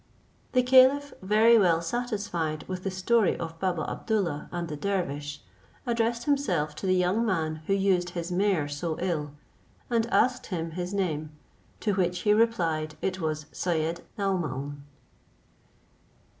The caliph, very well satisfied with the story of Baba Abdoollah and the dervish, addressed himself to the young man who used his mare so ill, and asked him his name; to which he replied, it was Syed Naomaun.